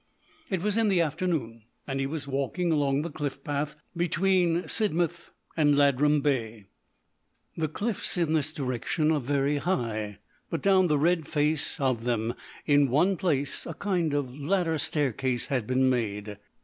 It was in the afternoon, and he was walking along the cliff path between Sidmouth and Ladram Bay. The cliffs in this direction are very high, but down the red face of them in one place a kind of ladder staircase has been made.